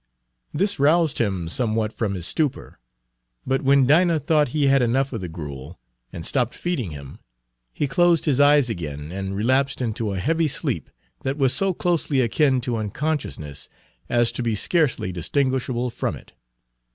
This roused him somewhat from his stupor, but when Dinah thought he had enough of the gruel, and stopped feeding him, he closed his eyes again and relapsed into a heavy sleep that was so Page 144 closely akin to unconsciousness as to be scarcely distinguishable from it.